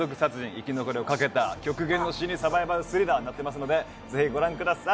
生き残りをかけた極限の心理サバイバルスリラーになってますので、ぜひご覧ください。